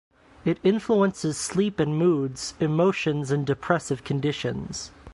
It influences sleep and moods, emotions and depressive conditions.